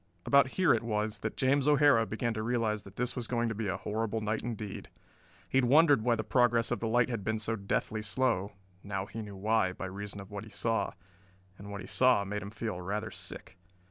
About here it was that James O'Hara began to realize that this was going to be a horrible night indeed. He had wondered why the progress of the light had been so deathly slow. Now he knew why, by reason of what he saw and what he saw made him feel rather sick.